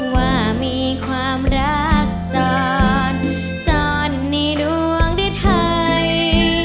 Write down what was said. ว่ามีความรักสอนสอนในดวงด้วยไทย